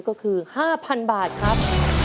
ก็คือ๕๐๐๐บาทครับ